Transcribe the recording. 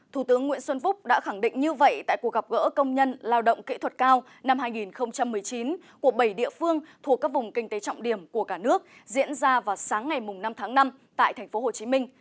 thủ tướng nguyễn xuân phúc đã khẳng định như vậy tại cuộc gặp gỡ công nhân lao động kỹ thuật cao năm hai nghìn một mươi chín của bảy địa phương thuộc các vùng kinh tế trọng điểm của cả nước diễn ra vào sáng ngày năm tháng năm tại thành phố hồ chí minh